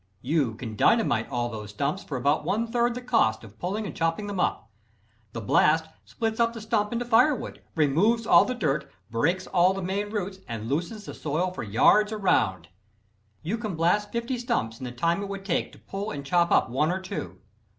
You can dynamite all those stumps for about one third the cost of pulling and chopping them up. The blast splits up the stump into firewood, removes all the dirt, breaks all the main roots, and loosens the soil for yards around. You can blast fifty stumps in the time it would take to pull and chop up one or two.